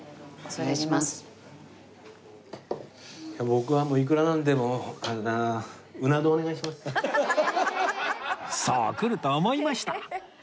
そう来ると思いました